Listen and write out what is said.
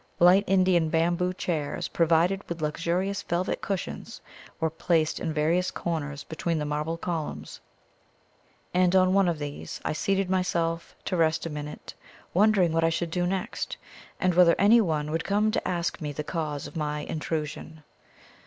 Light Indian bamboo chairs provided with luxurious velvet cushions were placed in various corners between the marble columns, and on one of these I seated myself to rest a minute, wondering what I should do next, and whether anyone would come to ask me the cause of my intrusion.